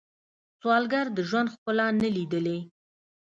سوالګر د ژوند ښکلا نه لیدلې